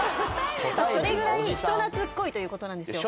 それぐらい人懐っこいということなんですよ。